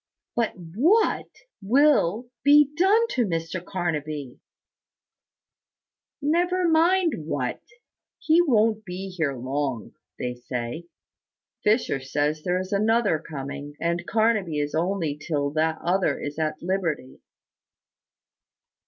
"But what will be done to Mr Carnaby?" "Never mind what: he won't be here long, they say. Fisher says there is another coming; and Carnaby is here only till that other is at liberty."